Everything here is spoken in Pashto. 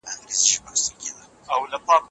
جهاد د ایمان د پوره کېدو یوه نښه ده.